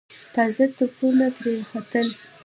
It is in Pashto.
تازه تپونه ترې ختل.